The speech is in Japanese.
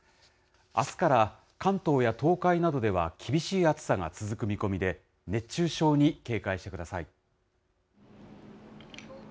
あすから関東や東海などでは厳しい暑さが続く見込みで、熱中症に警戒してください。